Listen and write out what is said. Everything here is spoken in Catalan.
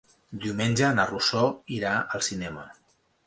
Diumenge na Rosó irà al cinema.